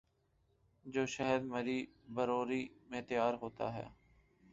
جو شہد مری بروری میں تیار ہوتا ہے۔